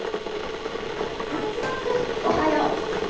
松田君おはよう。